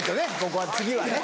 ここは次はね。